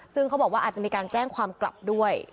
ซึ่งเขาบอกว่าอาจจะมีการแจ้งความกลับด้วย